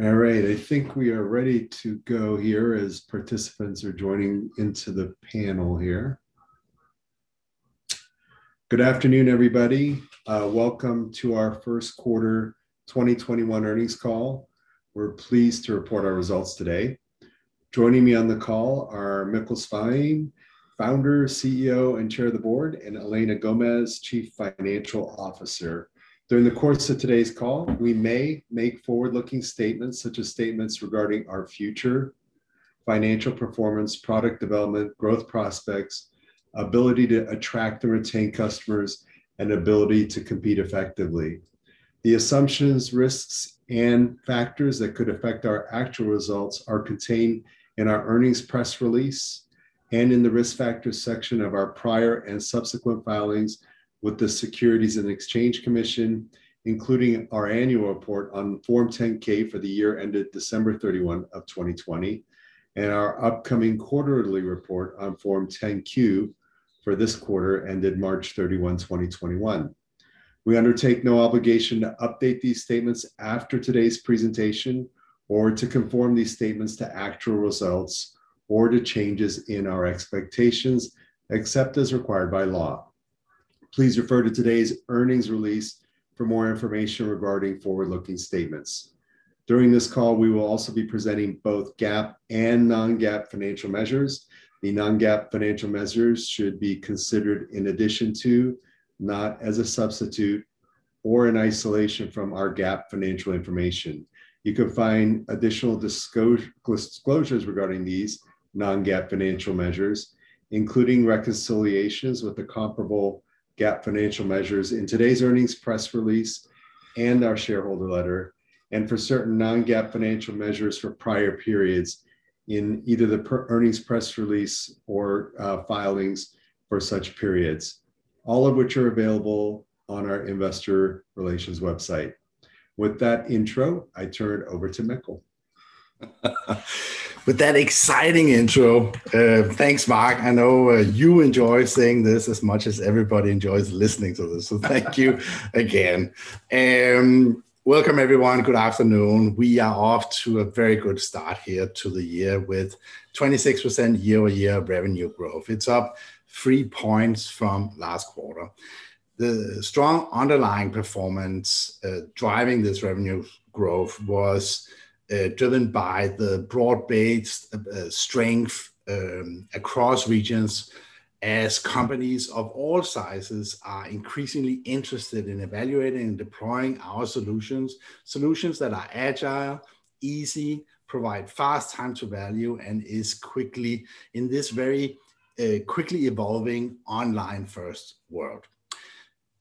All right. I think we are ready to go here as participants are joining into the panel here. Good afternoon, everybody. Welcome to our first quarter 2021 earnings call. We're pleased to report our results today. Joining me on the call are Mikkel Svane, founder, CEO, and chair of the board, and Elena Gomez, Chief Financial Officer. During the course of today's call, we may make forward-looking statements, such as statements regarding our future, financial performance, product development, growth prospects, ability to attract or retain customers, and ability to compete effectively. The assumptions, risks, and factors that could affect our actual results are contained in our earnings press release and in the risk factors section of our prior and subsequent filings with the Securities and Exchange Commission, including our annual report on Form 10-K for the year ended December 31 of 2020, and our upcoming quarterly report on Form 10-Q for this quarter ended March 31, 2021. We undertake no obligation to update these statements after today's presentation or to conform these statements to actual results or to changes in our expectations, except as required by law. Please refer to today's earnings release for more information regarding forward-looking statements. During this call, we will also be presenting both GAAP and non-GAAP financial measures. The non-GAAP financial measures should be considered in addition to, not as a substitute or in isolation from, our GAAP financial information. You can find additional disclosures regarding these non-GAAP financial measures, including reconciliations with the comparable GAAP financial measures in today's earnings press release and our shareholder letter, and for certain non-GAAP financial measures for prior periods in either the earnings press release or filings for such periods, all of which are available on our investor relations website. With that intro, I turn over to Mikkel. With that exciting intro, thanks, Marc. I know you enjoy saying this as much as everybody enjoys listening to this, so thank you again. Welcome, everyone. Good afternoon. We are off to a very good start here to the year with 26% year-over-year revenue growth. It's up three points from last quarter. The strong underlying performance driving this revenue growth was driven by the broad-based strength across regions as companies of all sizes are increasingly interested in evaluating and deploying our solutions that are agile, easy, provide fast time to value, and is in this very quickly evolving online-first world.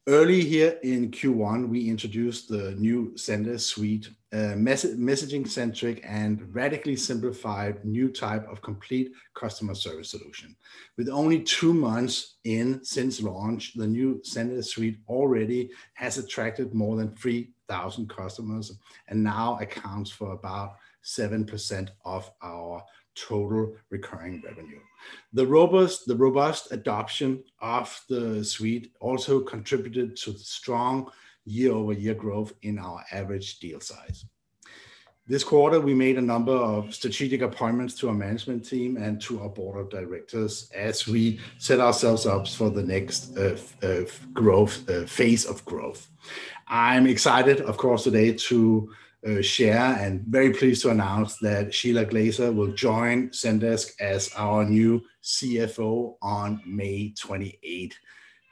Early here in Q1, we introduced the new Zendesk Suite, a messaging-centric and radically simplified new type of complete customer service solution. With only two months in since launch, the new Zendesk Suite already has attracted more than 3,000 customers and now accounts for about 7% of our total recurring revenue. The robust adoption of the Suite also contributed to the strong year-over-year growth in our average deal size. This quarter, we made a number of strategic appointments to our management team and to our board of directors as we set ourselves up for the next phase of growth. I'm excited, of course, today to share and very pleased to announce that Shelagh Glaser will join Zendesk as our new CFO on May 28th.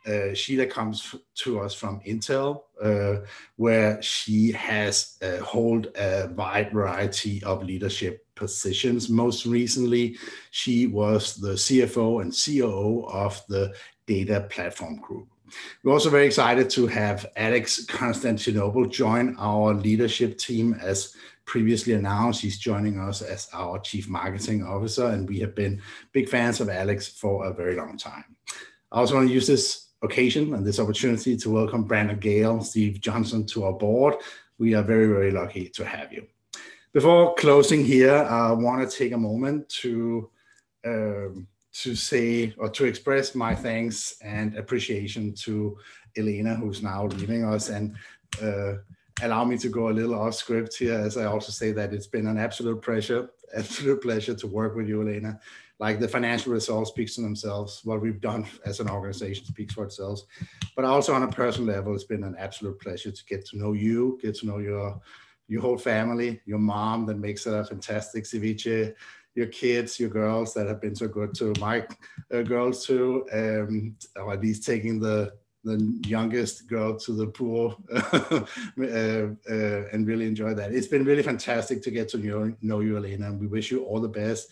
Shelagh comes to us from Intel, where she has hold a wide variety of leadership positions. Most recently, she was the CFO and COO of the Data Platform Group. We're also very excited to have Alex Constantinople join our leadership team. As previously announced, he's joining us as our Chief Marketing Officer, and we have been big fans of Alex Constantinople for a very long time. I also want to use this occasion and this opportunity to welcome Brandon Gayle, Steve Johnson to our board. We are very lucky to have you. Before closing here, I want to take a moment to say or to express my thanks and appreciation to Elena Gomez, who's now leaving us, and allow me to go a little off script here as I also say that it's been an absolute pleasure to work with you, Elena. The financial results speaks to themselves. What we've done as an organization speaks for itself. Also on a personal level, it's been an absolute pleasure to get to know you, get to know your whole family, your mom, that makes a fantastic ceviche, your kids, your girls that have been so good to my girls, too. At least taking the youngest girl to the pool and really enjoy that. It's been really fantastic to get to know you, Elena. We wish you all the best.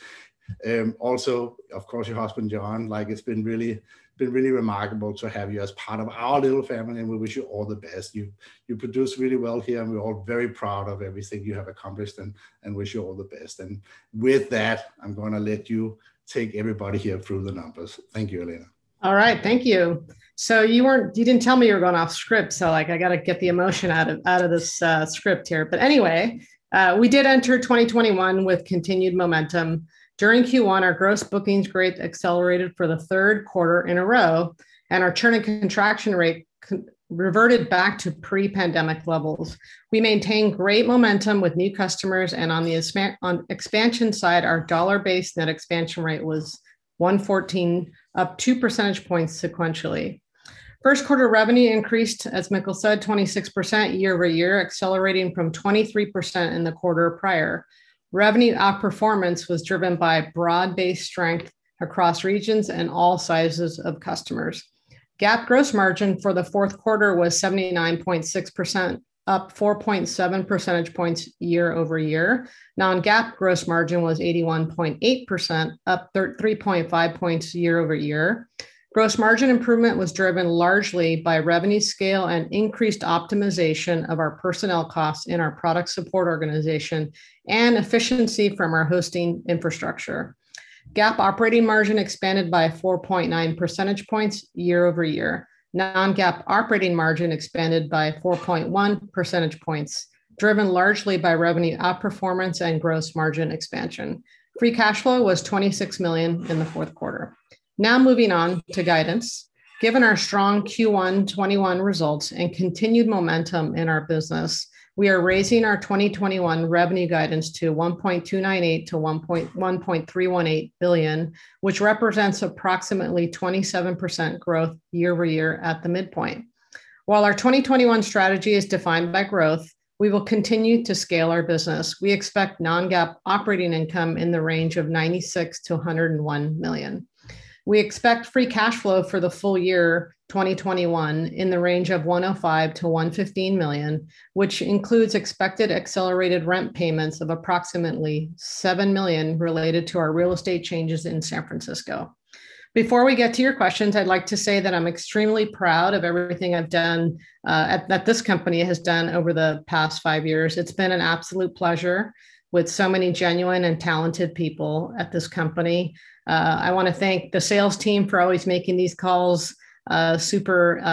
Also, of course, your husband, John, it's been really remarkable to have you as part of our little family, and we wish you all the best. You produce really well here, and we're all very proud of everything you have accomplished and wish you all the best. With that, I'm going to let you take everybody here through the numbers. Thank you, Elena All right, thank you. You didn't tell me you were going off script, I got to get the emotion out of this script here. We did enter 2021 with continued momentum. During Q1, our gross bookings growth accelerated for the third quarter in a row, and our churn and contraction rate reverted back to pre-pandemic levels. We maintained great momentum with new customers, and on the expansion side, our dollar-based net expansion rate was 114%, up two percentage points sequentially. First quarter revenue increased, as Mikkel Svane said, 26% year-over-year, accelerating from 23% in the quarter prior. Revenue outperformance was driven by broad-based strength across regions and all sizes of customers. GAAP gross margin for the fourth quarter was 79.6%, up 4.7 percentage points year-over-year. Non-GAAP gross margin was 81.8%, up 3.5 points year-over-year. Gross margin improvement was driven largely by revenue scale and increased optimization of our personnel costs in our product support organization, and efficiency from our hosting infrastructure. GAAP operating margin expanded by 4.9 percentage points year-over-year. Non-GAAP operating margin expanded by 4.1 percentage points, driven largely by revenue outperformance and gross margin expansion. Free cash flow was $26 million in the fourth quarter. Moving on to guidance. Given our strong Q1 2021 results and continued momentum in our business, we are raising our 2021 revenue guidance to $1.298 billion-$1.318 billion, which represents approximately 27% growth year-over-year at the midpoint. Our 2021 strategy is defined by growth, we will continue to scale our business. We expect non-GAAP operating income in the range of $96 million-$101 million. We expect free cash flow for the full year 2021 in the range of $105 million-$115 million, which includes expected accelerated rent payments of approximately $7 million related to our real estate changes in San Francisco. Before we get to your questions, I'd like to say that I'm extremely proud of everything I've done, that this company has done over the past five years. It's been an absolute pleasure with so many genuine and talented people at this company. I want to thank the sales team for always making these calls super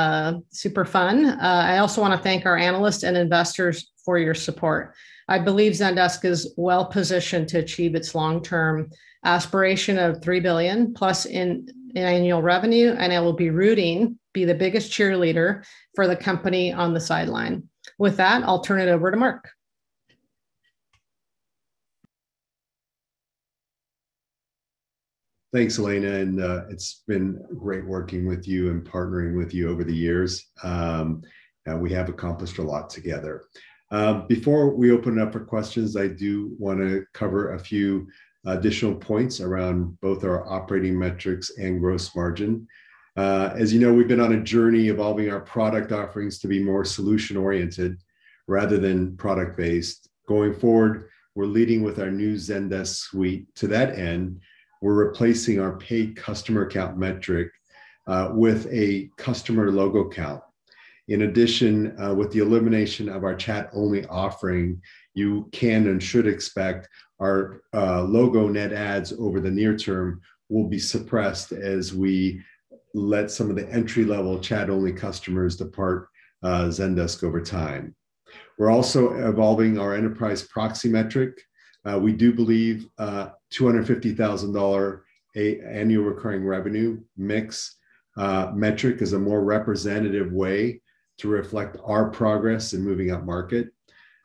fun. I also want to thank our analysts and investors for your support. I believe Zendesk is well positioned to achieve its long-term aspiration of $3 billion+ in annual revenue. I will be rooting, be the biggest cheerleader, for the company on the sideline. With that, I'll turn it over to Marc. Thanks, Elena. It's been great working with you and partnering with you over the years. We have accomplished a lot together. Before we open up for questions, I do want to cover a few additional points around both our operating metrics and gross margin. As you know, we've been on a journey evolving our product offerings to be more solution-oriented rather than product-based. Going forward, we're leading with our new Zendesk Suite. To that end, we're replacing our paid customer count metric with a customer logo count. In addition, with the elimination of our chat-only offering, you can and should expect our logo net adds over the near term will be suppressed as we let some of the entry-level chat-only customers depart Zendesk over time. We're also evolving our enterprise proxy metric. We do believe a $250,000 annual recurring revenue mix metric is a more representative way to reflect our progress in moving up market.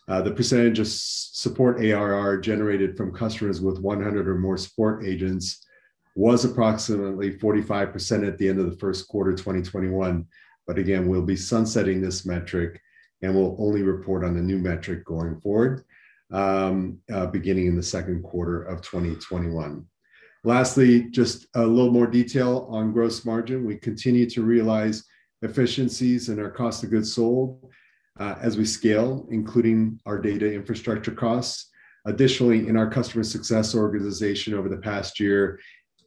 The percentage of support ARR generated from customers with 100 or more support agents was approximately 45% at the end of the first quarter 2021. Again, we'll be sunsetting this metric, and we'll only report on the new metric going forward, beginning in the second quarter of 2021. Lastly, just a little more detail on gross margin. We continue to realize efficiencies in our cost of goods sold as we scale, including our data infrastructure costs. Additionally, in our customer success organization over the past year,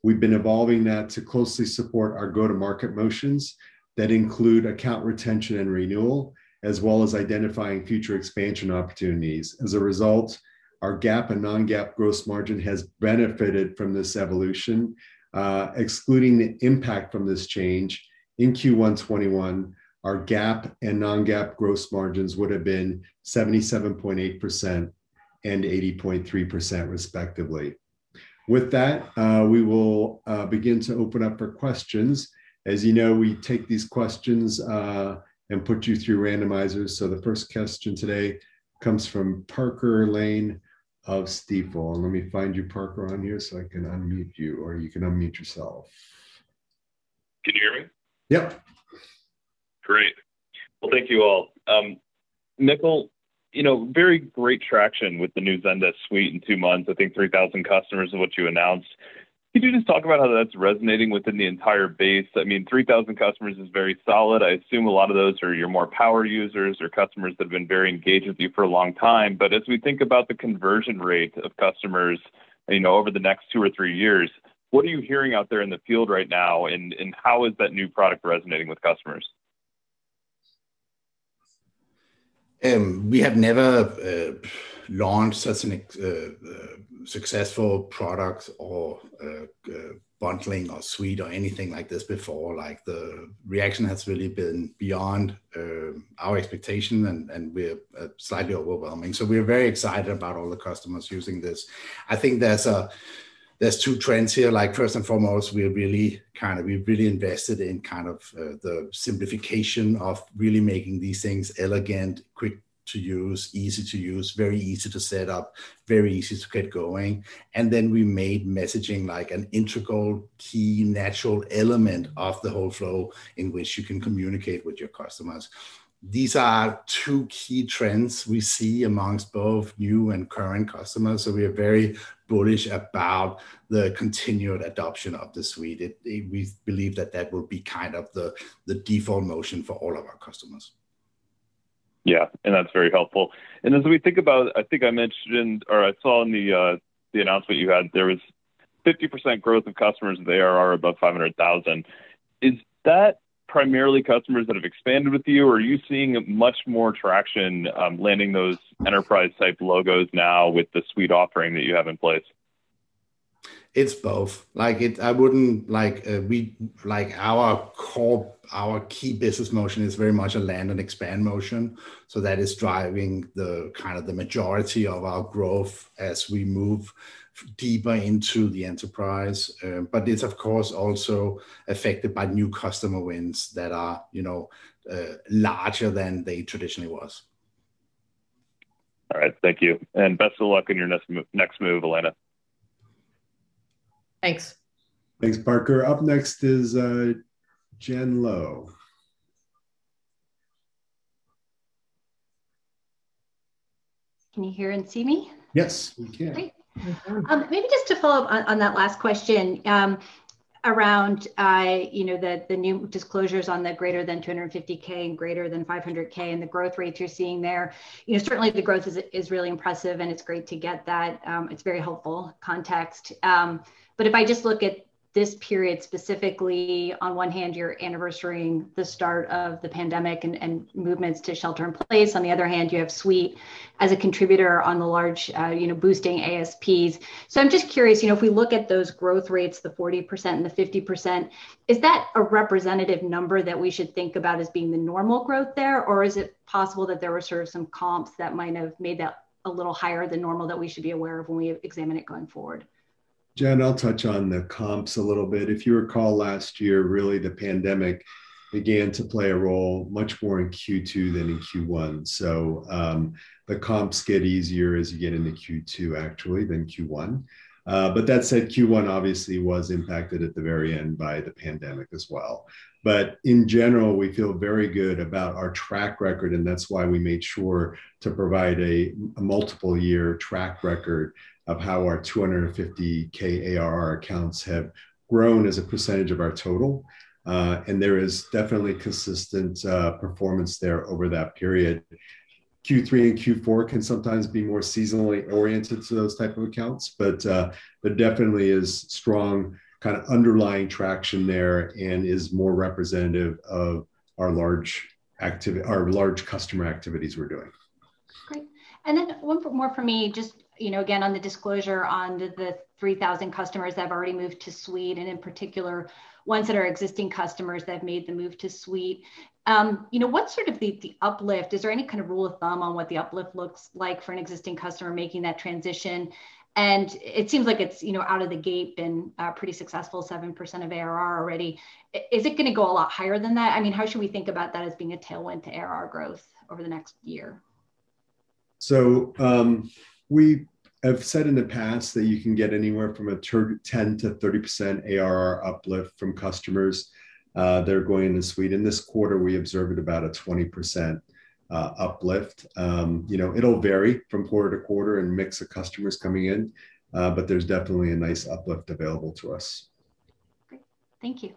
we've been evolving that to closely support our go-to-market motions that include account retention and renewal, as well as identifying future expansion opportunities. As a result, our GAAP and non-GAAP gross margin has benefited from this evolution. Excluding the impact from this change, in Q1 2021, our GAAP and non-GAAP gross margins would have been 77.8% and 80.3%, respectively. We will begin to open up for questions. As you know, we take these questions and put you through randomizers. The first question today comes from Parker Lane of Stifel. Let me find you, Parker, on here so I can unmute you, or you can unmute yourself. Can you hear me? Yep. Great. Well, thank you all. Mikkel, very great traction with the new Zendesk Suite in two months, I think 3,000 customers is what you announced. Could you just talk about how that's resonating within the entire base? I mean, 3,000 customers is very solid. I assume a lot of those are your more power users or customers that have been very engaged with you for a long time. As we think about the conversion rate of customers over the next two or three years, what are you hearing out there in the field right now, and how is that new product resonating with customers? We have never launched such a successful product or bundling or Suite or anything like this before. The reaction has really been beyond our expectation, and we're slightly overwhelming. We're very excited about all the customers using this. I think there's two trends here. First and foremost, we're really invested in the simplification of really making these things elegant, quick to use, easy to use, very easy to set up, very easy to get going. We made messaging an integral, key, natural element of the whole flow in which you can communicate with your customers. These are two key trends we see amongst both new and current customers, so we are very bullish about the continued adoption of the Suite. We believe that that will be the default motion for all of our customers. Yeah. That's very helpful. As we think about, I think I mentioned, or I saw in the announcement you had, there was 50% growth of customers with ARR above $500,000. Is that primarily customers that have expanded with you, or are you seeing much more traction landing those enterprise-type logos now with the Suite offering that you have in place? It's both. Our key business motion is very much a land and expand motion. That is driving the majority of our growth as we move deeper into the enterprise. It's, of course, also affected by new customer wins that are larger than they traditionally was. All right. Thank you. Best of luck on your next move, Elena. Thanks. Thanks, Parker. Up next is Jen Lowe. Can you hear and see me? Yes, we can. Great. We can. Maybe just to follow up on that last question around the new disclosures on the greater than 250,000 and greater than 500,000 and the growth rates you're seeing there. Certainly, the growth is really impressive, and it's great to get that. It's very helpful context. If I just look at this period, specifically, on one hand, you're anniversary the start of the pandemic and movements to shelter in place. On the other hand, you have Suite as a contributor on the large, boosting ASPs. I'm just curious, if we look at those growth rates, the 40% and the 50%, is that a representative number that we should think about as being the normal growth there? Or is it possible that there were sort of some comps that might have made that a little higher than normal that we should be aware of when we examine it going forward? Jen, I'll touch on the comps a little bit. If you recall last year, really, the pandemic began to play a role much more in Q2 than in Q1. The comps get easier as you get into Q2, actually, than Q1. That said, Q1 obviously was impacted at the very end by the pandemic as well. In general, we feel very good about our track record, and that's why we made sure to provide a multiple year track record of how our 250,000 ARR accounts have grown as a percentage of our total. There is definitely consistent performance there over that period. Q3 and Q4 can sometimes be more seasonally oriented to those type of accounts, but definitely is strong, kind of underlying traction there and is more representative of our large customer activities we're doing. Great. One more from me, just again, on the disclosure on the 3,000 customers that have already moved to Suite, in particular, ones that are existing customers that have made the move to Suite. What's sort of the uplift? Is there any kind of rule of thumb on what the uplift looks like for an existing customer making that transition? It seems like it's out of the gate been pretty successful, 7% of ARR already. Is it going to go a lot higher than that? How should we think about that as being a tailwind to ARR growth over the next year? We have said in the past that you can get anywhere from a 10%-30% ARR uplift from customers that are going into Suite. In this quarter, we observed about a 20% uplift. It'll vary from quarter to quarter in mix of customers coming in, but there's definitely a nice uplift available to us. Great. Thank you.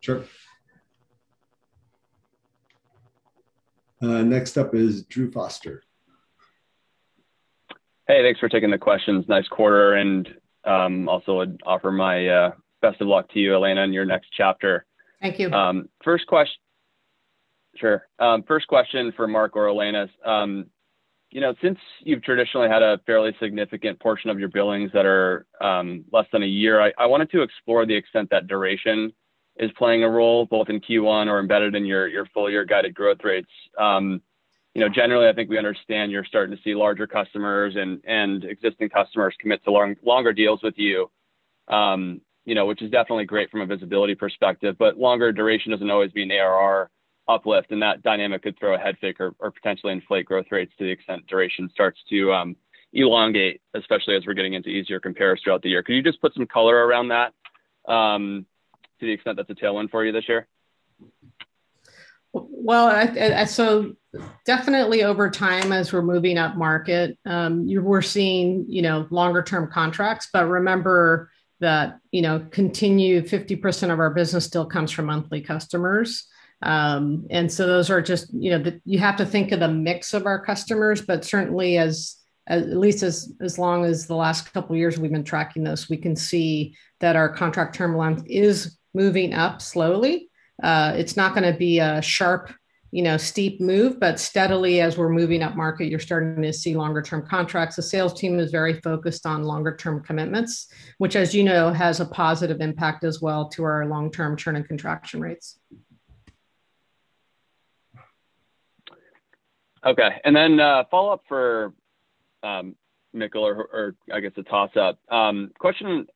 Sure. Next up is Drew Foster. Hey, thanks for taking the questions. Nice quarter. Also want to offer my best of luck to you, Elena, on your next chapter. Thank you. Sure. First question for Marc or Elena. Since you've traditionally had a fairly significant portion of your billings that are less than a year, I wanted to explore the extent that duration is playing a role, both in Q1 or embedded in your full year guided growth rates. Generally, I think we understand you're starting to see larger customers and existing customers commit to longer deals with you, which is definitely great from a visibility perspective, but longer duration doesn't always mean ARR uplift, and that dynamic could throw a head fake or potentially inflate growth rates to the extent duration starts to elongate, especially as we're getting into easier compares throughout the year. Could you just put some color around that, to the extent that's a tailwind for you this year? Well, definitely over time as we're moving up market, we're seeing longer-term contracts. Remember that 50% of our business continues to come from monthly customers. Those are just, you have to think of the mix of our customers, but certainly at least as long as the last couple of years we've been tracking this, we can see that our contract term length is moving up slowly. It's not going to be a sharp, steep move, but steadily as we're moving up market, you're starting to see longer-term contracts. The sales team is very focused on longer-term commitments, which as you know, has a positive impact as well to our long-term churn and contraction rates. Okay. Then, follow-up for Mikkel or I guess a toss-up. Question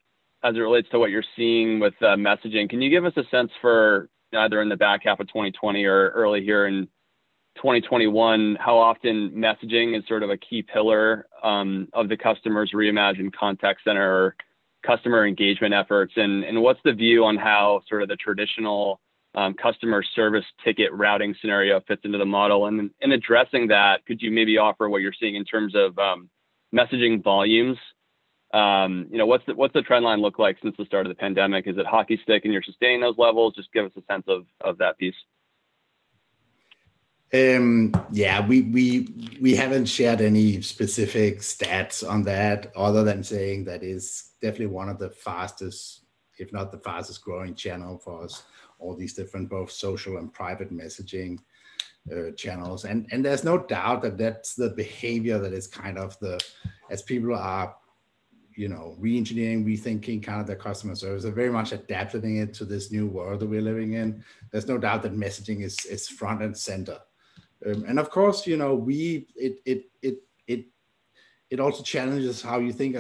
as it relates to what you're seeing with messaging, can you give us a sense for either in the back half of 2020 or early here in 2021, how often messaging is sort of a key pillar of the customer's reimagined contact center or customer engagement efforts? What's the view on how sort of the traditional customer service ticket routing scenario fits into the model? In addressing that, could you maybe offer what you're seeing in terms of messaging volumes? What's the trend line look like since the start of the pandemic? Is it hockey stick and you're sustaining those levels? Just give us a sense of that piece. Yeah. We haven't shared any specific stats on that other than saying that is definitely one of the fastest, if not the fastest growing channel for us, all these different both social and private messaging channels. There's no doubt that that's the behavior that is kind of the, as people are re-engineering, rethinking their customer service. They're very much adapting it to this new world that we're living in. There's no doubt that messaging is front and center. Of course, it also challenges how we think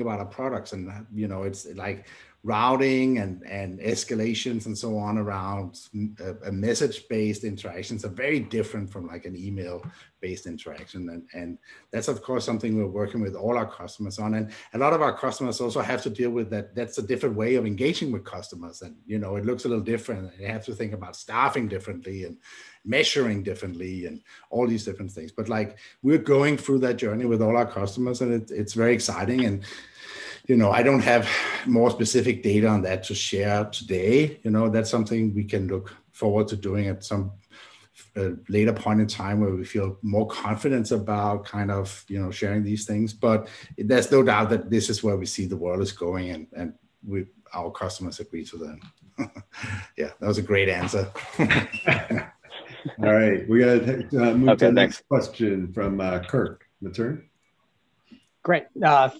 about our products and that. It's like routing and escalations and so on around a message-based interaction. So very different from an email-based interaction. That's of course something we're working with all our customers on. A lot of our customers also have to deal with that. That's a different way of engaging with customers and it looks a little different, and they have to think about staffing differently, and measuring differently, and all these different things. We're going through that journey with all our customers and it's very exciting. I don't have more specific data on that to share today. That's something we can look forward to doing at some later point in time where we feel more confidence about sharing these things. There's no doubt that this is where we see the world is going, and our customers agree to that. Yeah, that was a great answer. All right. Okay, next. We got to move to the next question from Kirk Materne. Great.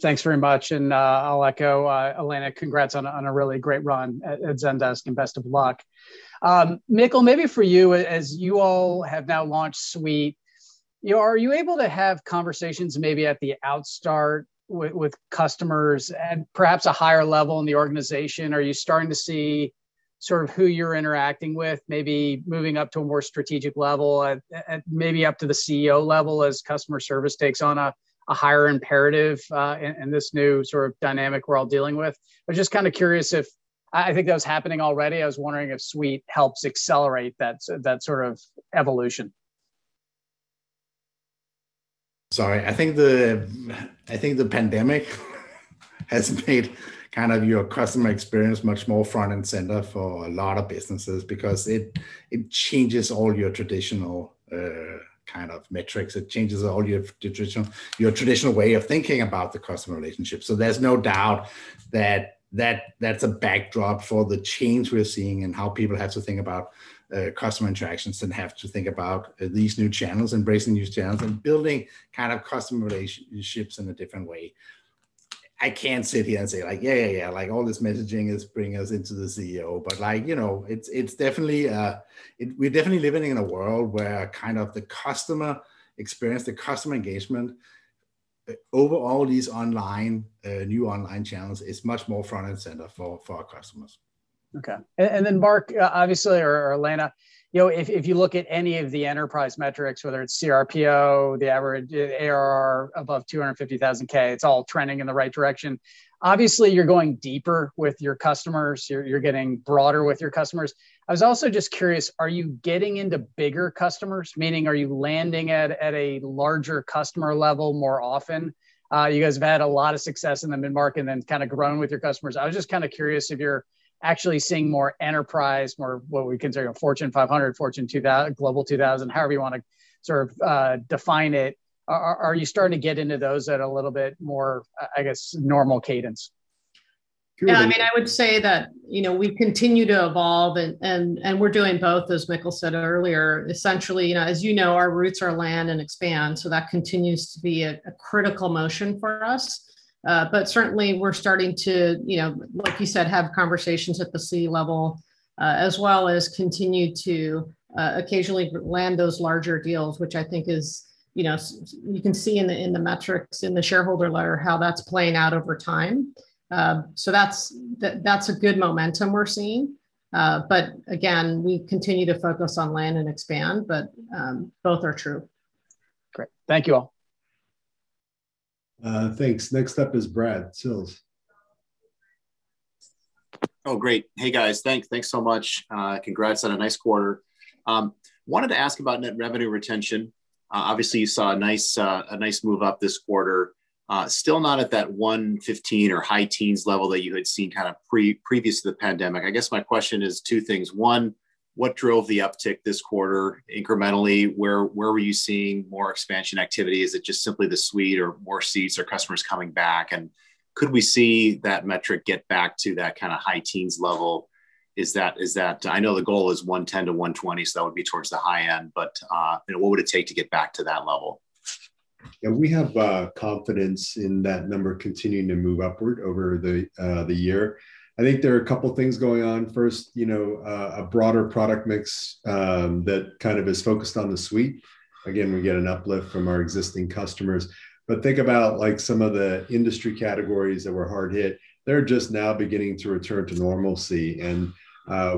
Thanks very much. I'll echo Elena, congrats on a really great run at Zendesk and best of luck. Mikkel, maybe for you, as you all have now launched Suite, are you able to have conversations maybe at the outset with customers at perhaps a higher level in the organization? Are you starting to see sort of who you're interacting with, maybe moving up to a more strategic level at maybe up to the CEO level as customer service takes on a higher imperative, in this new sort of dynamic we're all dealing with? I was just kind of curious if, I think that was happening already. I was wondering if Suite helps accelerate that sort of evolution. Sorry. I think the pandemic has made your customer experience much more front and center for a lot of businesses because it changes all your traditional kind of metrics. It changes all your traditional way of thinking about the customer relationship. There's no doubt that that's a backdrop for the change we're seeing in how people have to think about customer interactions and have to think about these new channels, embracing new channels, and building kind of customer relationships in a different way. I can't sit here and say, "Yeah. All this messaging is bringing us into the CEO." We're definitely living in a world where kind of the customer experience, the customer engagement over all these new online channels is much more front and center for our customers. Okay. Marc, obviously, or Elena, if you look at any of the enterprise metrics, whether it's CRPO, the average ARR above $250,000, it's all trending in the right direction. Obviously, you're going deeper with your customers. You're getting broader with your customers. I was also just curious, are you getting into bigger customers? Meaning, are you landing at a larger customer level more often? You guys have had a lot of success in the mid-market and then kind of growing with your customers. I was just kind of curious if you're actually seeing more enterprise, more what we consider Fortune 500, Global 2000, however you want to sort of define it. Are you starting to get into those at a little bit more, I guess, normal cadence? I would say that we continue to evolve and we're doing both, as Mikkel said earlier. Essentially, as you know, our roots are land and expand, so that continues to be a critical motion for us. Certainly we're starting to, like you said, have conversations at the C-level, as well as continue to occasionally land those larger deals, which I think you can see in the metrics in the shareholder letter how that's playing out over time. That's a good momentum we're seeing. Again, we continue to focus on land and expand, but both are true. Great. Thank you all. Thanks. Next up is Brad Sills. Oh, great. Hey, guys. Thanks so much. Congrats on a nice quarter. I wanted to ask about net revenue retention. Obviously, you saw a nice move up this quarter. Still not at that 115% or high teens level that you had seen kind of previous to the pandemic. I guess my question is two things. One, what drove the uptick this quarter incrementally? Where were you seeing more expansion activity? Is it just simply the Suite or more seats or customers coming back? Could we see that metric get back to that kind of high teens level? I know the goal is 110%-120%, so that would be towards the high end, but what would it take to get back to that level? Yeah, we have confidence in that number continuing to move upward over the year. I think there are a couple of things going on. First, a broader product mix that kind of is focused on the Suite. Again, we get an uplift from our existing customers. Think about some of the industry categories that were hard hit. They're just now beginning to return to normalcy, and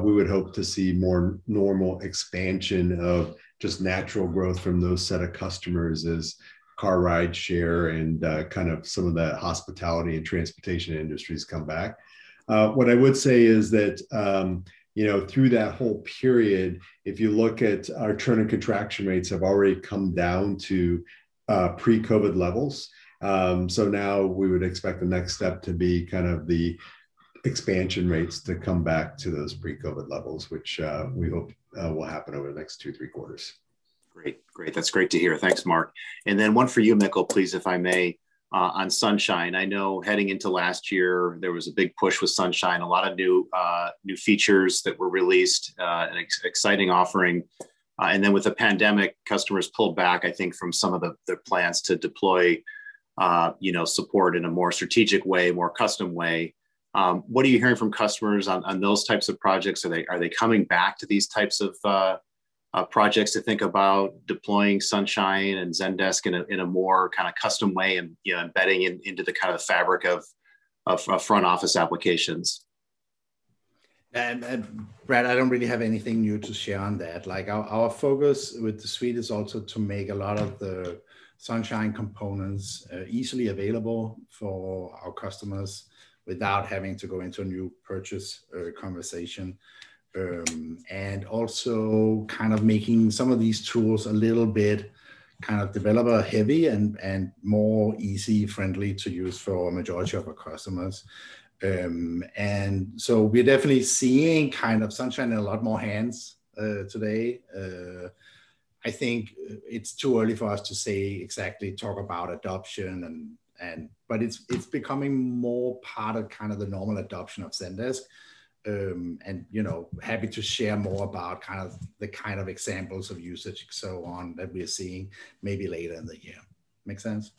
we would hope to see more normal expansion of just natural growth from those set of customers as car rideshare and kind of some of the hospitality and transportation industries come back. What I would say is that, through that whole period, if you look at our churn and contraction rates have already come down to pre-COVID levels. Now we would expect the next step to be kind of the expansion rates to come back to those pre-COVID levels, which we hope will happen over the next two, three quarters. Great. That's great to hear. Thanks, Marc. One for you, Mikkel, please, if I may, on Sunshine. I know heading into last year, there was a big push with Sunshine, a lot of new features that were released, an exciting offering. With the pandemic, customers pulled back, I think, from some of their plans to deploy support in a more strategic way, more custom way. What are you hearing from customers on those types of projects? Are they coming back to these types of projects to think about deploying Sunshine and Zendesk in a more kind of custom way and embedding it into the kind of fabric of front office applications? Brad Sills, I don't really have anything new to share on that. Our focus with the suite is also to make a lot of the Sunshine components easily available for our customers without having to go into a new purchase conversation. Also making some of these tools a little bit developer heavy and more easy, friendly to use for a majority of our customers. We're definitely seeing Sunshine in a lot more hands today. I think it's too early for us to say exactly, talk about adoption, but it's becoming more part of the normal adoption of Zendesk. Happy to share more about the examples of usage and so on that we are seeing maybe later in the year. Make sense?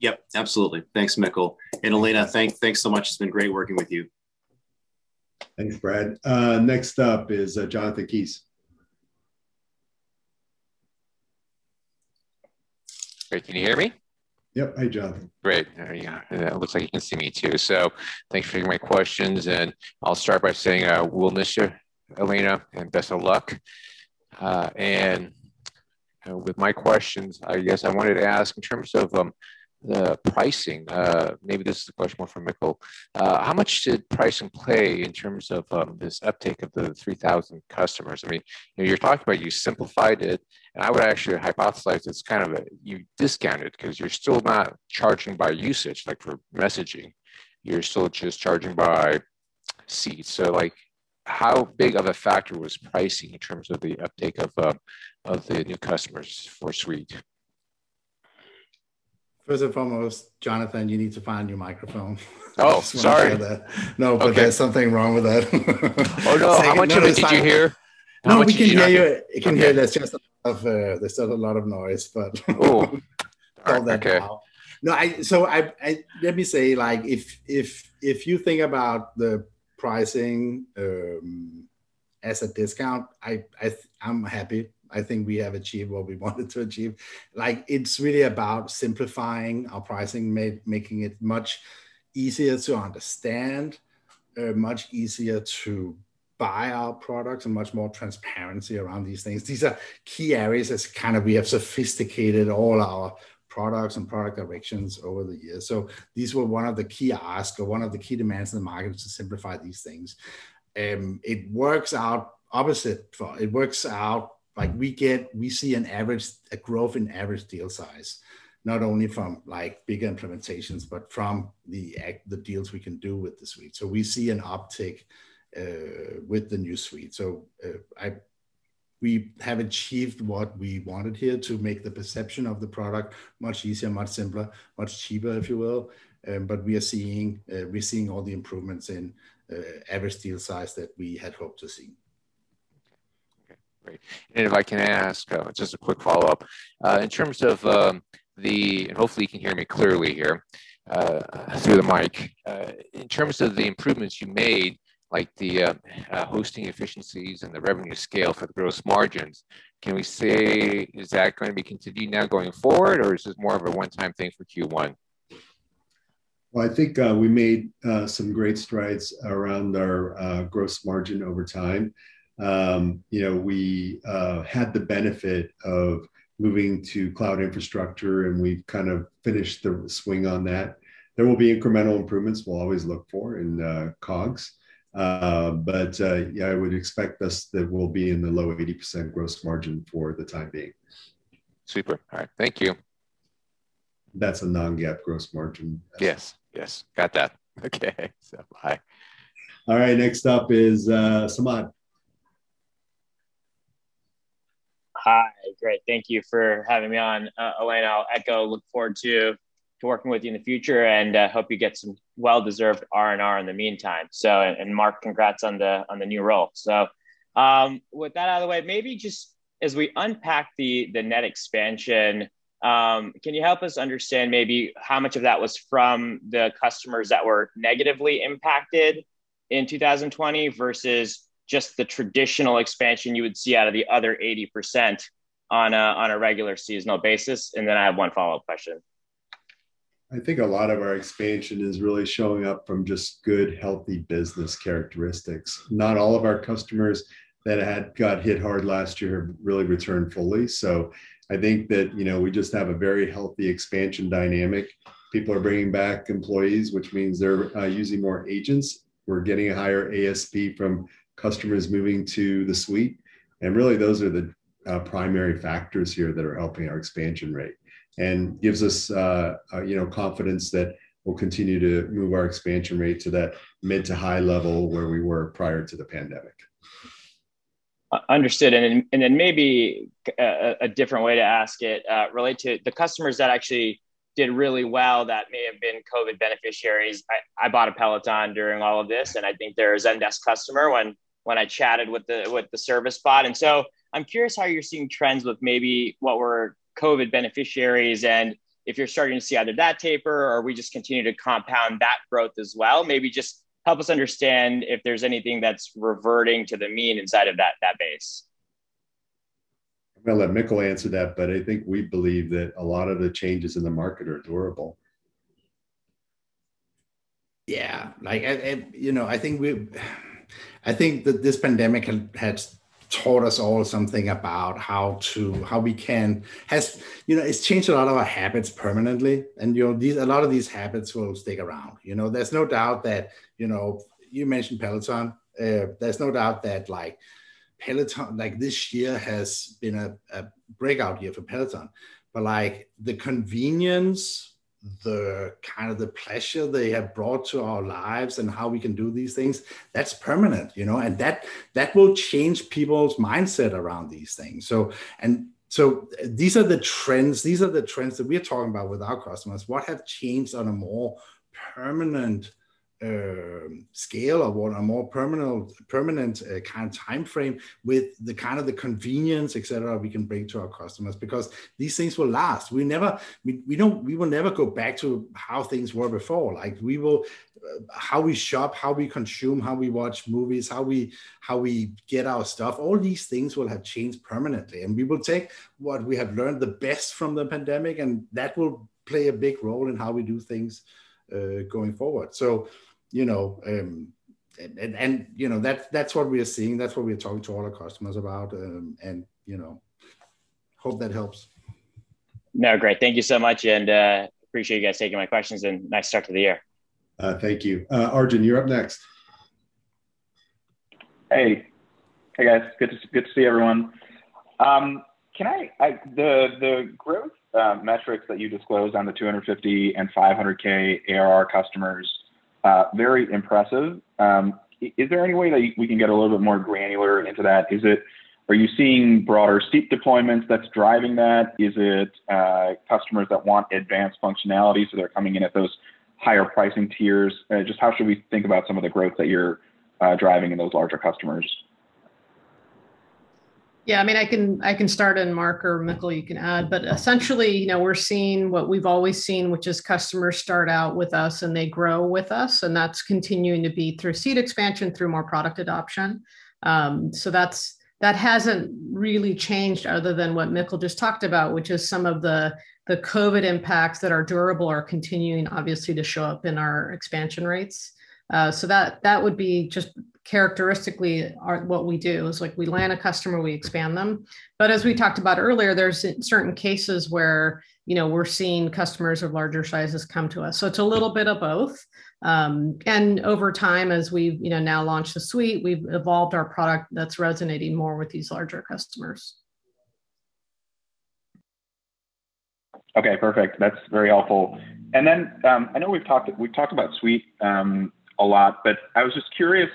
Yep, absolutely. Thanks, Mikkel. Elena, thanks so much. It's been great working with you. Thanks, Brad. Next up is Jonathan Kees. Great. Can you hear me? Yep. Hey, Jonathan. Great. There we are. It looks like you can see me too. Thanks for taking my questions, and I'll start by saying we'll miss you, Elena, and best of luck. With my questions, I guess I wanted to ask in terms of the pricing, maybe this is a question more for Mikkel. How much did pricing play in terms of this uptake of the 3,000 customers? You talked about you simplified it, and I would actually hypothesize it's kind of you discount it because you're still not charging by usage, like for messaging. You're still just charging by seat. How big of a factor was pricing in terms of the uptake of the new customers for Suite? First and foremost, Jonathan, you need to find your microphone. Oh, sorry. Just want to share that. No, there's something wrong with that. Oh, no. [Crostalk] No, we can hear you. I can hear. There's just a lot of noise. Oh. All right, okay. all that now. Let me say, if you think about the pricing as a discount, I'm happy. I think we have achieved what we wanted to achieve. It's really about simplifying our pricing, making it much easier to understand, much easier to buy our products, and much more transparency around these things. These are key areas as kind of we have sophisticated all our products and product directions over the years. These were one of the key asks or one of the key demands in the market was to simplify these things. It works out opposite. It works out, we see a growth in average deal size, not only from bigger implementations, but from the deals we can do with the Suite. We see an uptick with the new Suite. We have achieved what we wanted here to make the perception of the product much easier, much simpler, much cheaper, if you will. We're seeing all the improvements in average deal size that we had hoped to see. Okay, great. If I can ask just a quick follow-up. Hopefully you can hear me clearly here through the mic. In terms of the improvements you made, like the hosting efficiencies and the revenue scale for the gross margins, can we say, is that going to be continued now going forward, or is this more of a one-time thing for Q1? Well, I think we made some great strides around our gross margin over time. We had the benefit of moving to cloud infrastructure, and we've kind of finished the swing on that. There will be incremental improvements we'll always look for in COGS. Yeah, I would expect this that we'll be in the low 80% gross margin for the time being. Super. All right. Thank you. That's a non-GAAP gross margin. Yes. Got that. Okay. Bye. All right, next up is Samad. Hi. Great. Thank you for having me on. Elena Gomez, I'll echo look forward to working with you in the future, and hope you get some well-deserved R&R in the meantime. Marc, congrats on the new role. With that out of the way, maybe just as we unpack the net expansion, can you help us understand maybe how much of that was from the customers that were negatively impacted in 2020 versus just the traditional expansion you would see out of the other 80% on a regular seasonal basis? I have one follow-up question. I think a lot of our expansion is really showing up from just good, healthy business characteristics. Not all of our customers that had got hit hard last year have really returned fully. I think that we just have a very healthy expansion dynamic. People are bringing back employees, which means they're using more agents. We're getting a higher ASP from customers moving to the suite, and really those are the primary factors here that are helping our expansion rate, and gives us confidence that we'll continue to move our expansion rate to that mid to high level where we were prior to the pandemic. Understood. Maybe a different way to ask it, related to the customers that actually did really well that may have been COVID beneficiaries. I bought a Peloton during all of this, and I think they're a Zendesk customer when I chatted with the service bot. I'm curious how you're seeing trends with maybe what were COVID beneficiaries, and if you're starting to see either that taper or we just continue to compound that growth as well. Maybe just help us understand if there's anything that's reverting to the mean inside of that base. I'm going to let Mikkel answer that, but I think we believe that a lot of the changes in the market are durable. Yeah. I think that this pandemic has taught us all something, it's changed a lot of our habits permanently. A lot of these habits will stick around. You mentioned Peloton. There's no doubt that this year has been a breakout year for Peloton. The convenience, the pleasure they have brought to our lives and how we can do these things, that's permanent. That will change people's mindset around these things. These are the trends that we are talking about with our customers. What have changed on a more permanent scale or on a more permanent kind of timeframe with the kind of the convenience, et cetera, we can bring to our customers. Because these things will last. We will never go back to how things were before. How we shop, how we consume, how we watch movies, how we get our stuff, all these things will have changed permanently. We will take what we have learned the best from the pandemic, and that will play a big role in how we do things going forward. That's what we are seeing, that's what we are talking to all our customers about. Hope that helps. No, great. Thank you so much, and appreciate you guys taking my questions, and nice start to the year. Thank you. Arjun, you're up next. Hey. Hey, guys. Good to see everyone. The growth metrics that you disclosed on the 250,000 and 500,000 ARR customers, very impressive. Is there any way that we can get a little bit more granular into that? Are you seeing broader seat deployments that's driving that? Is it customers that want advanced functionality, so they're coming in at those higher pricing tiers? Just how should we think about some of the growth that you're driving in those larger customers? Yeah, I can start, and Mark or Mikkel, you can add. Essentially, we're seeing what we've always seen, which is customers start out with us and they grow with us, and that's continuing to be through seat expansion, through more product adoption. That hasn't really changed other than what Mikkel just talked about, which is some of the COVID impacts that are durable are continuing obviously to show up in our expansion rates. That would be just characteristically what we do is, we land a customer, we expand them. As we talked about earlier, there's certain cases where we're seeing customers of larger sizes come to us. It's a little bit of both. Over time, as we've now launched the Suite, we've evolved our product that's resonating more with these larger customers. Okay, perfect. That's very helpful. I know we've talked about Suite a lot, but I was just curious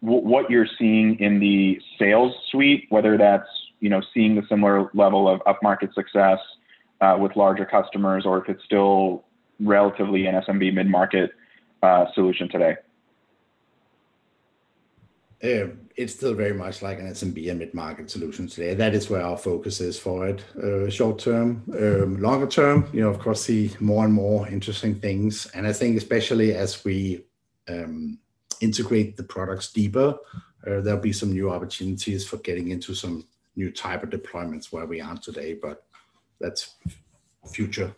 what you're seeing in the Sales Suite, whether that's seeing the similar level of upmarket success with larger customers, or if it's still relatively an SMB mid-market solution today. It's still very much like an SMB and mid-market solution today. That is where our focus is for it short term. Longer term, of course, see more and more interesting things, and I think especially as we integrate the products deeper, there'll be some new opportunities for getting into some new type of deployments where we aren't today, but that's future.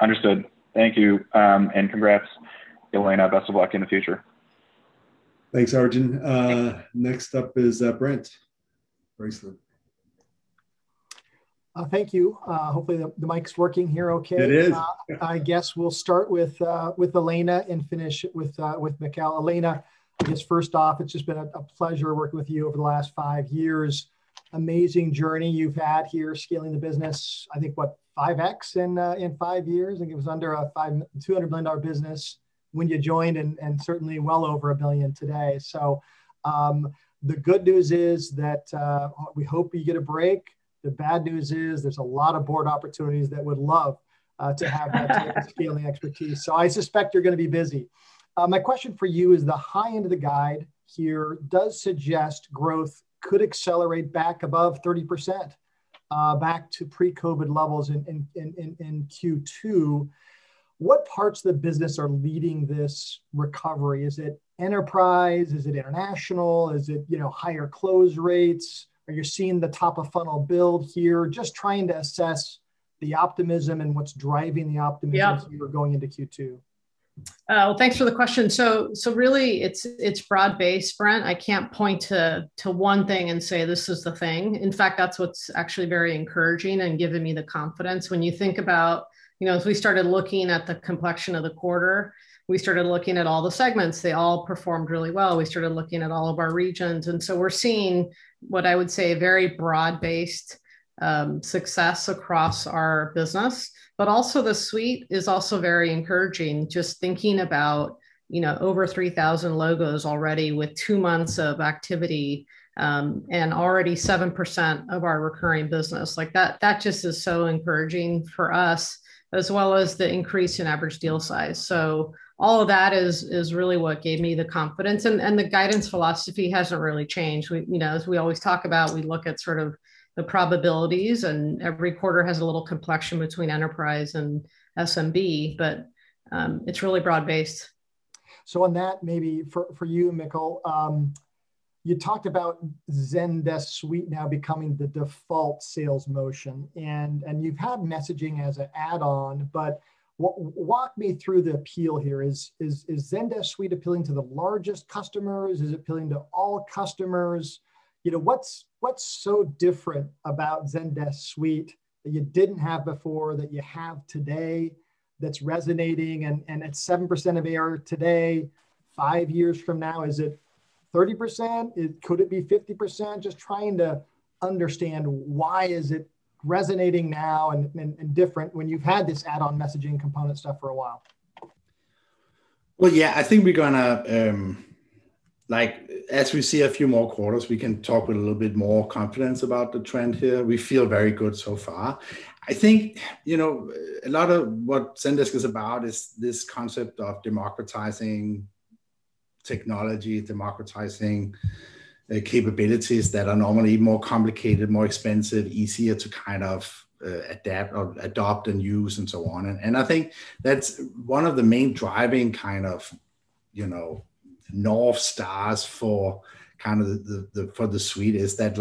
Understood. Thank you, and congrats, Elena. Best of luck in the future. Thanks, Arjun. Next up is Brent Bracelin. Thank you. Hopefully the mic's working here okay. It is. I guess we'll start with Elena and finish with Mikkel. Elena, I guess first off, it's just been a pleasure working with you over the last five years. Amazing journey you've had here scaling the business, I think what? 5x in five years. I think it was under a $200 million business when you joined, and certainly well over $1 billion today. The good news is that we hope you get a break. The bad news is there's a lot of board opportunities that would love to have sales-scaling expertise, so I suspect you're going to be busy. My question for you is, the high end of the guide here does suggest growth could accelerate back above 30%, back to pre-COVID levels in Q2. What parts of the business are leading this recovery? Is it enterprise? Is it international? Is it higher close rates? Are you seeing the top of funnel build here? Just trying to assess the optimism and what's driving the optimism. Yeah as we were going into Q2. Thanks for the question. Really, it's broad-based, Brent. I can't point to one thing and say, "This is the thing." In fact, that's what's actually very encouraging and given me the confidence. You think about, as we started looking at the complexion of the quarter, we started looking at all the segments. They all performed really well. We started looking at all of our regions, we're seeing what I would say a very broad-based success across our business. The Suite is also very encouraging, just thinking about over 3,000 logos already with two months of activity, and already 7% of our recurring business. That just is so encouraging for us, as well as the increase in average deal size. All of that is really what gave me the confidence, and the guidance philosophy hasn't really changed. As we always talk about, we look at sort of the probabilities, and every quarter has a little complexion between enterprise and SMB, but it's really broad based. On that, maybe for you, Mikkel, you talked about Zendesk Suite now becoming the default sales motion, and you've had messaging as an add-on, but walk me through the appeal here. Is Zendesk Suite appealing to the largest customers? Is it appealing to all customers? What's so different about Zendesk Suite that you didn't have before that you have today that's resonating, and at 7% ARR today, five years from now, is it 30%? Could it be 50%? Just trying to understand why is it resonating now and different when you've had this add-on messaging component stuff for a while. Well, yeah. I think as we see a few more quarters, we can talk with a little bit more confidence about the trend here. We feel very good so far. I think a lot of what Zendesk is about is this concept of democratizing technology, democratizing the capabilities that are normally more complicated, more expensive, easier to kind of adapt or adopt and use and so on. I think that's one of the main driving north stars for the suite is that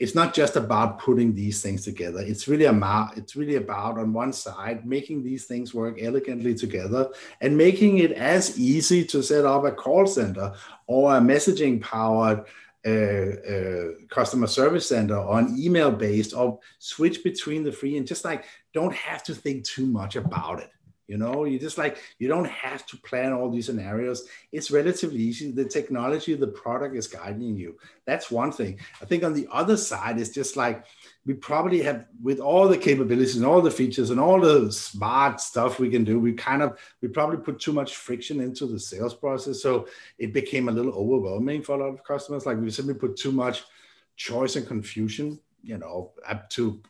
it's not just about putting these things together, it's really about, on one side, making these things work elegantly together and making it as easy to set up a call center or a messaging-based customer service center on email-based, or switch between the three and just don't have to think too much about it. You don't have to plan all these scenarios. It's relatively easy. The technology, the product is guiding you. That's one thing. I think on the other side is just we probably have, with all the capabilities and all the features and all the smart stuff we can do, we probably put too much friction into the sales process, so it became a little overwhelming for a lot of customers. We simply put too much choice and confusion, to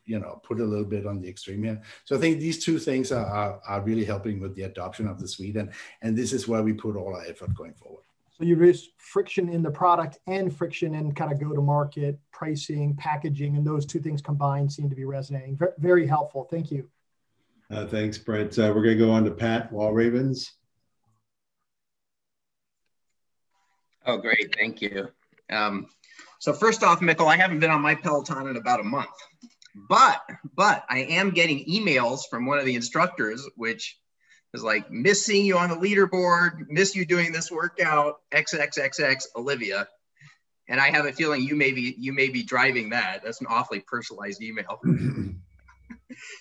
put a little bit on the extreme end. I think these two things are really helping with the adoption of the suite, and this is where we put all our effort going forward. You raise friction in the product and friction in kind of go to market, pricing, packaging, and those two things combined seem to be resonating. Very helpful, thank you. Thanks, Brent. We're going to go on to Patrick Walravens. Oh, great. Thank you. First off, Mikkel, I haven't been on my Peloton in about a month, but I am getting emails from one of the instructors, which is like, "Missing you on the leaderboard. Miss you doing this workout. Olivia." I have a feeling you may be driving that. That's an awfully personalized email.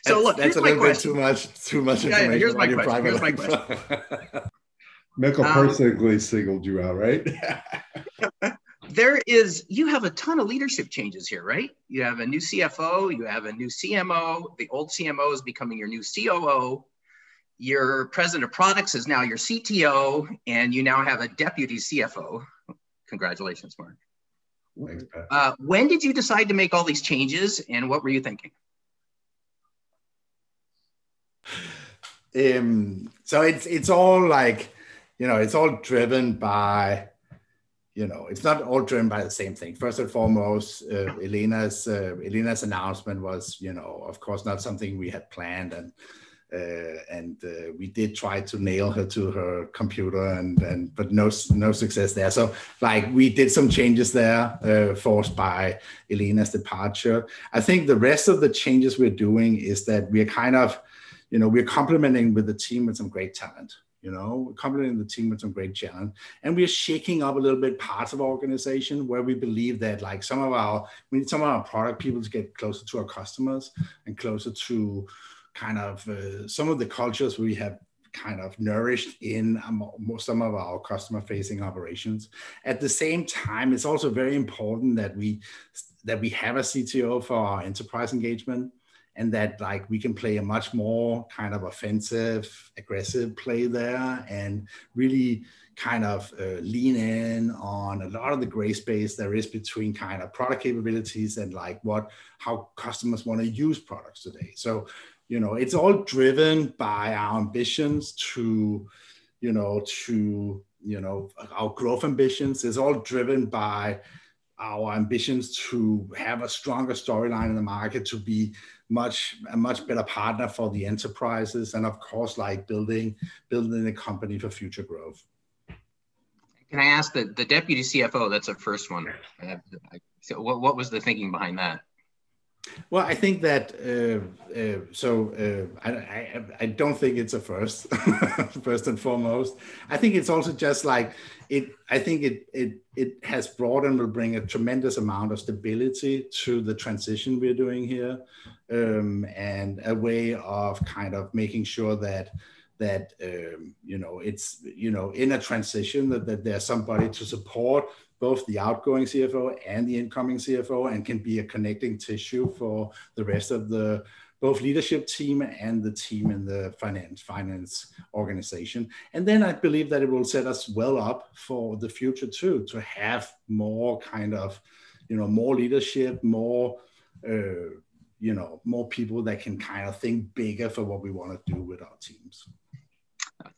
Look, here's my question. That's a little bit too much information about your private life. Yeah, here's my question. Mikkel personally singled you out, right? You have a ton of leadership changes here, right? You have a new CFO, you have a new CMO. The old CMO is becoming your new COO. Your President of Products is now your CTO, and you now have a Deputy CFO. Congratulations, Marc. Thanks, Pat. When did you decide to make all these changes, and what were you thinking? It's not all driven by the same thing. First and foremost, Elena's announcement was, of course, not something we had planned. We did try to nail her to her computer, no success there. We did some changes there forced by Elena's departure. I think the rest of the changes we're doing is that we're complementing with the team with some great talent. We are shaking up a little bit parts of our organization where we believe that some of our product people to get closer to our customers and closer to some of the cultures we have kind of nourished in some of our customer-facing operations. At the same time, it's also very important that we have a CTO for our enterprise engagement, and that we can play a much more kind of offensive, aggressive play there and really kind of lean in on a lot of the gray space there is between kind of product capabilities and how customers want to use products today. It's all driven by our growth ambitions. It's all driven by our ambitions to have a stronger storyline in the market, to be a much better partner for the enterprises and, of course, building a company for future growth. Can I ask, the deputy CFO, that's a first one. What was the thinking behind that? Well, I don't think it's a first and foremost. I think it has brought and will bring a tremendous amount of stability to the transition we're doing here, and a way of kind of making sure that in a transition, that there's somebody to support both the outgoing CFO and the incoming CFO, and can be a connecting tissue for the rest of both the leadership team and the team in the finance organization. Then I believe that it will set us well up for the future, too, to have more leadership, more people that can kind of think bigger for what we want to do with our teams.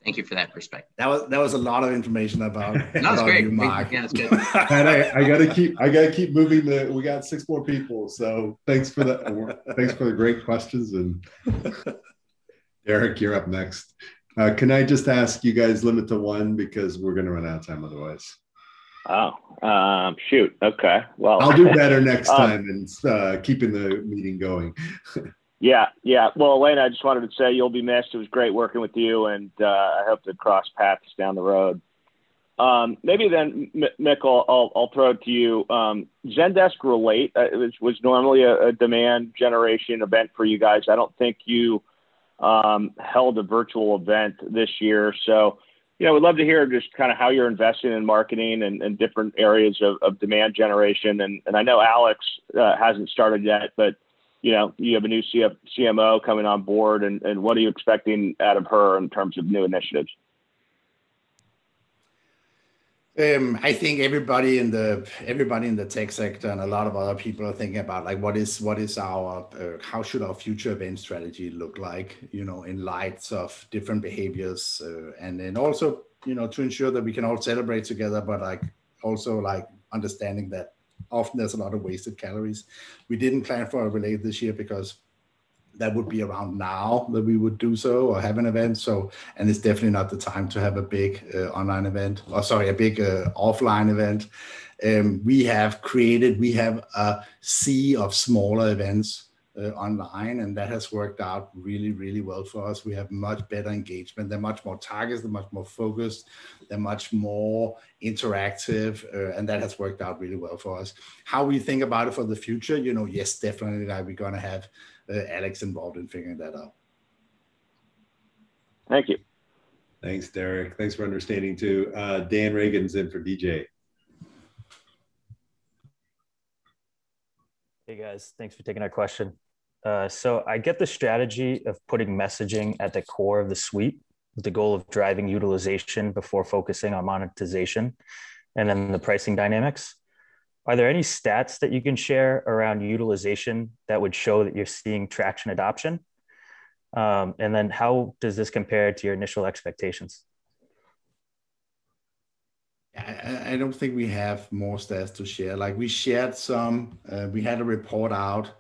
Thank you for that perspective. That was a lot of information about. That's great. I got to keep moving. We got six more people. Thanks for the great questions. Derrick, you're up next. Can I just ask you guys limit to one, because we're going to run out of time otherwise. Oh, shoot. Okay. I'll do better next time in keeping the meeting going. Well, Elena, I just wanted to say you'll be missed. It was great working with you, and I hope to cross paths down the road. Maybe, Mikkel, I'll throw it to you. Zendesk Relate was normally a demand generation event for you guys. I don't think you held a virtual event this year. Would love to hear just kind of how you're investing in marketing and different areas of demand generation. I know Alex hasn't started yet, but you have a new CMO coming on board, and what are you expecting out of her in terms of new initiatives? I think everybody in the tech sector, and a lot of other people are thinking about how should our future event strategy look like in light of different behaviors. Also to ensure that we can all celebrate together, but also understanding that often there's a lot of wasted calories. We didn't plan for a Relate this year because that would be around now that we would do so, or have an event. It's definitely not the time to have a big offline event. We have a sea of smaller events online, and that has worked out really, really well for us. We have much better engagement. They're much more targeted, they're much more focused, they're much more interactive, and that has worked out really well for us. How we think about it for the future, yes, definitely going to have Alex involved in figuring that out. Thank you. Thanks, Derrick. Thanks for understanding, too. Dan Regan's in for DJ. Hey, guys. Thanks for taking our question. I get the strategy of putting messaging at the core of the Zendesk Suite, with the goal of driving utilization before focusing on monetization, and then the pricing dynamics. Are there any stats that you can share around utilization that would show that you're seeing traction adoption? How does this compare to your initial expectations? I don't think we have more stats to share. We shared some. We had a report out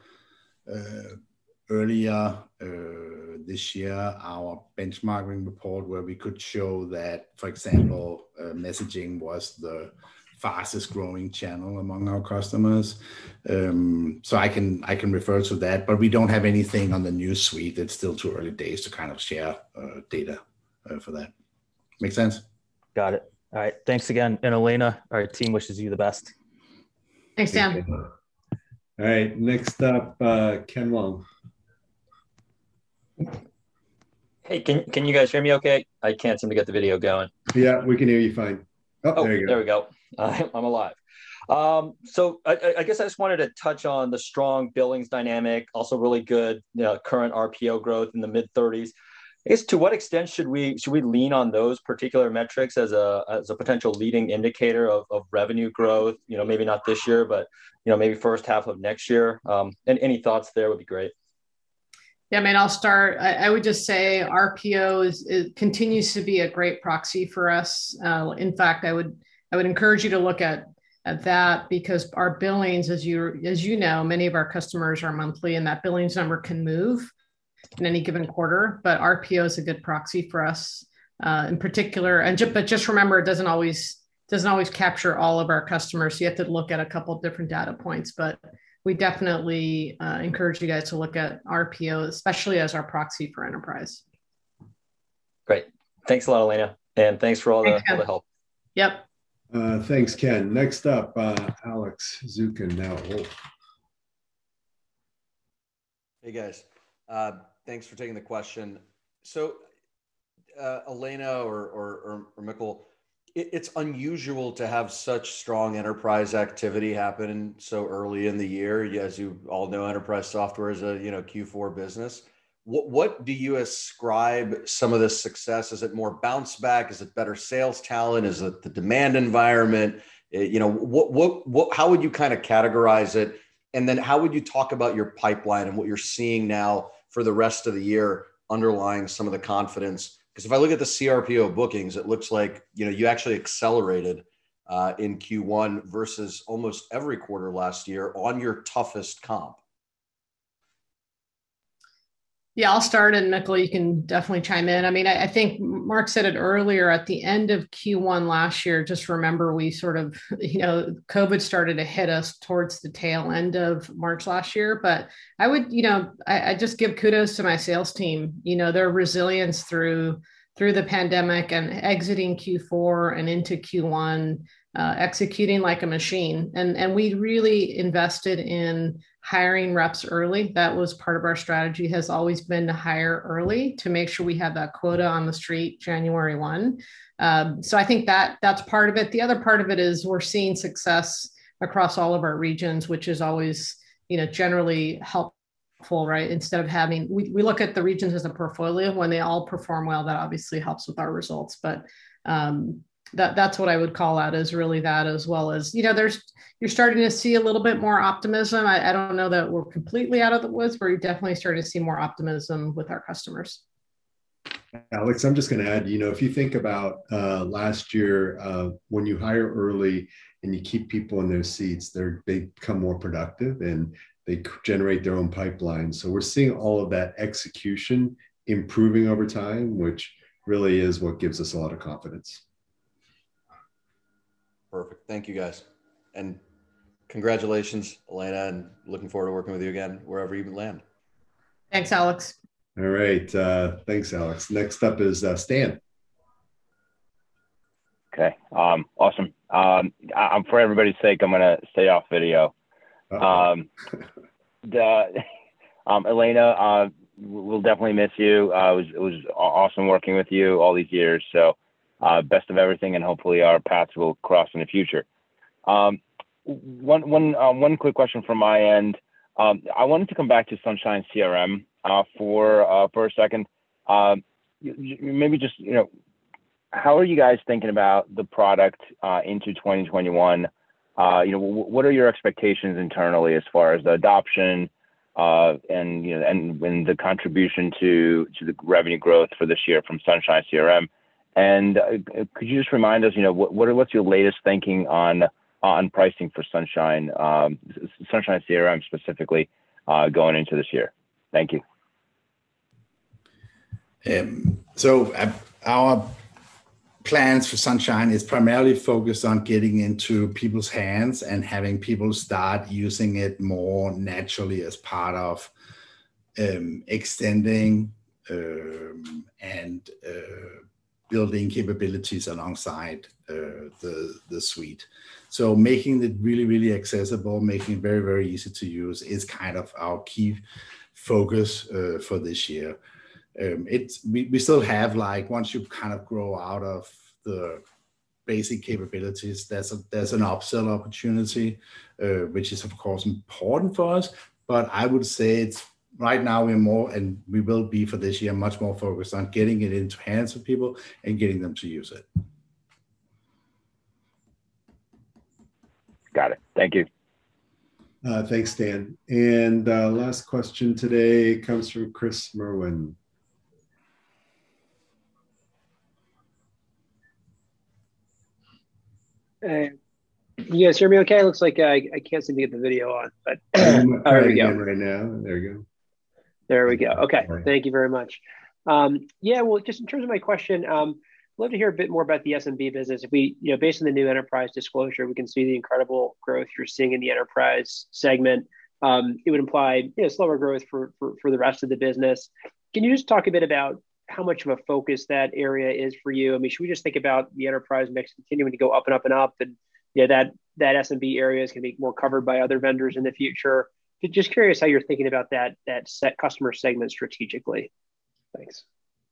earlier this year, our benchmarking report, where we could show that, for example, messaging was the fastest growing channel among our customers. I can refer to that, but we don't have anything on the new Suite. It's still too early days to kind of share data for that. Make sense? Got it. All right. Thanks again. Elena, our team wishes you the best. Thanks, Dan. All right. Next up, Ken Long. Hey, can you guys hear me okay? I can't seem to get the video going. Yeah, we can hear you fine. Oh, there we go. I'm alive. I guess I just wanted to touch on the strong billings dynamic. Also really good current RPO growth in the mid-30s. I guess to what extent should we lean on those particular metrics as a potential leading indicator of revenue growth? Maybe not this year, but maybe first half of next year. Any thoughts there would be great. Yeah, I mean, I'll start. I would just say RPO continues to be a great proxy for us. In fact, I would encourage you to look at that, because our billings, as you know, many of our customers are monthly, and that billings number can move in any given quarter. RPO is a good proxy for us in particular. Just remember, it doesn't always capture all of our customers. You have to look at a couple different data points. We definitely encourage you guys to look at RPO, especially as our proxy for enterprise. Great. Thanks a lot, Elena, and thanks for all the help. Yep. Thanks, Ken. Next up, Alex Zukin. Hey, guys. Thanks for taking the question. Elena or Mikkel, it's unusual to have such strong enterprise activity happen so early in the year. As you all know, enterprise software is a Q4 business. What do you ascribe some of the success? Is it more bounce back? Is it better sales talent? Is it the demand environment? How would you categorize it, and then how would you talk about your pipeline and what you're seeing now for the rest of the year underlying some of the confidence? If I look at the CRPO bookings, it looks like you actually accelerated in Q1 versus almost every quarter last year on your toughest comp. Yeah, I'll start, and Mikkel, you can definitely chime in. I think Marc said it earlier, at the end of Q1 last year, just remember, COVID started to hit us towards the tail end of March last year. I just give kudos to my sales team, their resilience through the pandemic and exiting Q4 and into Q1, executing like a machine. We really invested in hiring reps early. That was part of our strategy, has always been to hire early to make sure we have that quota on the street January 1. I think that's part of it. The other part of it is we're seeing success across all of our regions, which is always generally helpful. We look at the regions as a portfolio. When they all perform well, that obviously helps with our results. That's what I would call out as really that as well, as you're starting to see a little bit more optimism. I don't know that we're completely out of the woods, but we're definitely starting to see more optimism with our customers. Alex, I'm just going to add, if you think about last year, when you hire early, and you keep people in their seats, they become more productive, and they generate their own pipeline. We're seeing all of that execution improving over time, which really is what gives us a lot of confidence. Perfect. Thank you guys, and congratulations, Elena, and looking forward to working with you again, wherever you land. Thanks, Alex. All right. Thanks, Alex. Next up is Stan. Okay. Awesome. For everybody's sake, I'm going to stay off video. Oh. Elena, we'll definitely miss you. It was awesome working with you all these years, so best of everything, and hopefully our paths will cross in the future. One quick question from my end. I wanted to come back to Zendesk Sunshine for a second. How are you guys thinking about the product into 2021? What are your expectations internally as far as the adoption and the contribution to the revenue growth for this year from Zendesk Sunshine? Could you just remind us, what's your latest thinking on pricing for Zendesk Sunshine specifically going into this year? Thank you. Our plans for Sunshine is primarily focused on getting into people's hands and having people start using it more naturally as part of extending and building capabilities alongside the Suite. Making it really, really accessible, making it very, very easy to use is kind of our key focus for this year. Once you kind of grow out of the basic capabilities, there's an upsell opportunity, which is of course important for us, but I would say right now and we will be for this year, much more focused on getting it into the hands of people and getting them to use it. Got it. Thank you. Thanks, Stan. Last question today comes from Chris Merwin. Can you guys hear me okay? It looks like I can't seem to get the video on, but right now. There we go. There we go. Okay. All right. Thank you very much. Just in terms of my question, love to hear a bit more about the SMB business. Based on the new enterprise disclosure, we can see the incredible growth you're seeing in the enterprise segment. It would imply slower growth for the rest of the business. Can you just talk a bit about how much of a focus that area is for you? Should we just think about the enterprise mix continuing to go up and up and up, and that SMB area is going to be more covered by other vendors in the future? Just curious how you're thinking about that customer segment strategically. Thanks.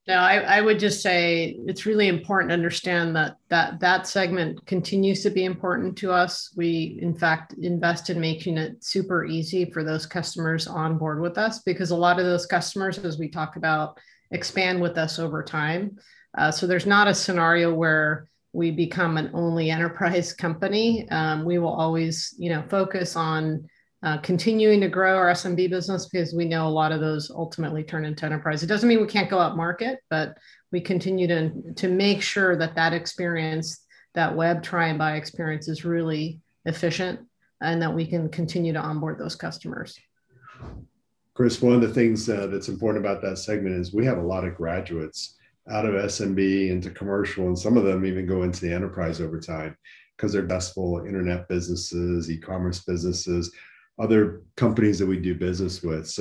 Yeah. I would just say it's really important to understand that that segment continues to be important to us. We, in fact, invest in making it super easy for those customers onboard with us because a lot of those customers, as we talk about, expand with us over time. There's not a scenario where we become an only enterprise company. We will always focus on continuing to grow our SMB business because we know a lot of those ultimately turn into enterprise. It doesn't mean we can't go up market, but we continue to make sure that that experience, that web try and buy experience, is really efficient, and that we can continue to onboard those customers. Chris, one of the things that's important about that segment is we have a lot of graduates out of SMB into commercial, and some of them even go into the enterprise over time because they're best for internet businesses, e-commerce businesses, other companies that we do business with.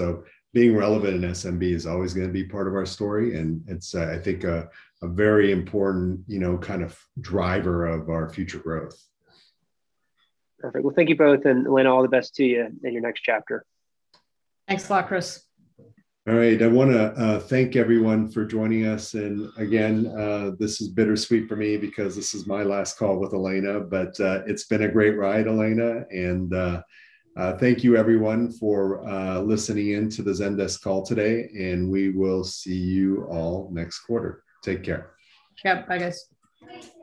Being relevant in SMB is always going to be part of our story, and it's, I think, a very important kind of driver of our future growth. Perfect. Thank you both, and Elena, all the best to you in your next chapter. Thanks a lot, Chris. All right. I want to thank everyone for joining us, and again, this is bittersweet for me because this is my last call with Elena. It's been a great ride, Elena, and thank you everyone for listening in to the Zendesk call today, and we will see you all next quarter. Take care. Yep. Bye, guys.